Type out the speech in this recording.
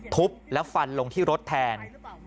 ทุบแล้วฟันลงที่รถแทน